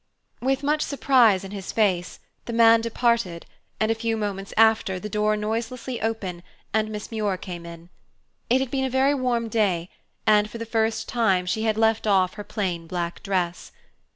With much surprise in his face, the man departed and a few moments after the door noiselessly opened and Miss Muir came in. It had been a very warm day, and for the first time she had left off her plain black dress.